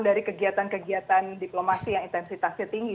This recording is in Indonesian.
dari kegiatan kegiatan diplomasi yang intensitasnya tinggi